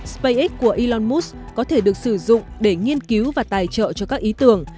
spacex của elon musk có thể được sử dụng để nghiên cứu và tài trợ cho các ý tưởng